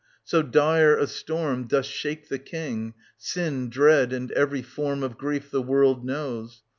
So dire a storm Doth shake the King, sin, dread and every form Of grief the world knows.